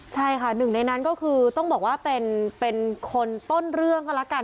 ใช่ค่ะหนึ่งในนั้นก็คือต้องบอกว่าเป็นคนต้นเรื่องก็แล้วกัน